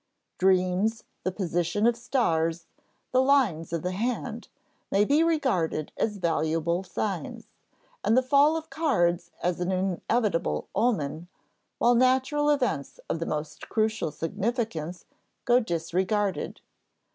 Dreams, the positions of stars, the lines of the hand, may be regarded as valuable signs, and the fall of cards as an inevitable omen, while natural events of the most crucial significance go disregarded.